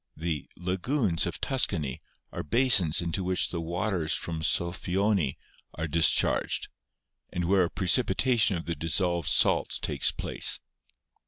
The 'lagoons* of Tuscany are basins into which the waters from soffioni are dis charged, and where a precipitation of their dissolved salts takes place.